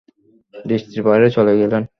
দৃষ্টির বাইরে চলে গেলেন।